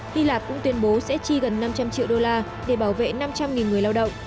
hy lạp cũng tuyên bố sẽ chi gần năm trăm linh triệu đô la để bảo vệ năm trăm linh người lao động